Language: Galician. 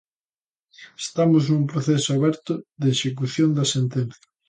Estamos nun proceso aberto de execución da sentenza.